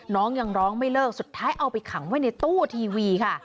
น้องยังร้องไม่เลิกสุดท้ายเอาไปขังไว้ในตู้ทีวีค่ะ